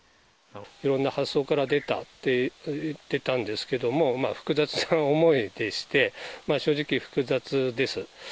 いろんな発想から出たっていってたんですけれども、複雑な思いでして、まあ、正直複雑です。